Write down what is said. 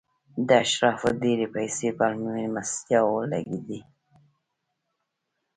د اشرافو ډېرې پیسې په مېلمستیاوو لګېدې.